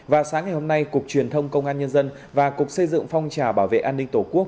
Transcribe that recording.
và sáng ngày hôm nay cục truyền thông công an nhân dân và cục xây dựng phong trào bảo vệ an ninh tổ quốc